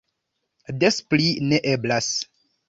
Des pli ne eblas!